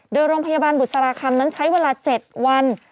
โดยโรงพยาบาลบุษราคำนั้นใช้เวลา๗วัน